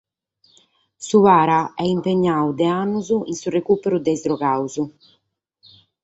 Su para est impignadu dae annos in su recùperu de sos drogados.